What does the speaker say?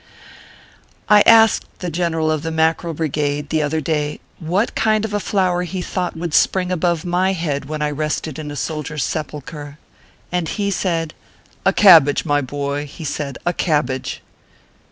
I asked the General of the Mackerel Brigade, the other day, what kind of a flower he thought would spring above my head when I rested in a soldier s sepulchre ? and he said "A cahhage !" my boy he said " A cabbage